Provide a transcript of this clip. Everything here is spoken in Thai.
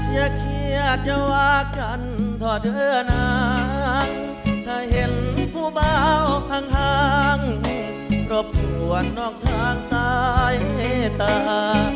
อย่าเครียดว่ากันท่อเดือนานถ้าเห็นผู้เบาพังทางรบทวนนอกทางซ้ายเฮตา